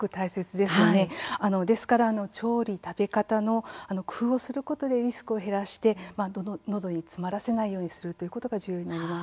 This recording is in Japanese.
ですから調理、食べ方の工夫をすることでリスクを減らしてのどに詰まらせないようにするということが重要です。